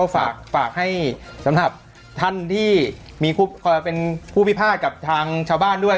ฝากให้สำหรับท่านที่เป็นผู้พิพาทกับทางชาวบ้านด้วย